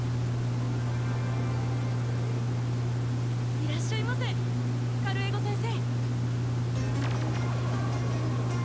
いらっしゃいませカルエゴ先生！